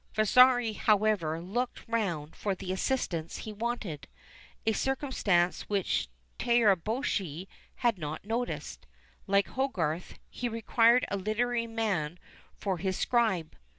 Vasari, however, looked round for the assistance he wanted; a circumstance which Tiraboschi has not noticed: like Hogarth, he required a literary man for his scribe.